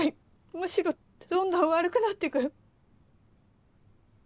むしろどんどん悪くなってく。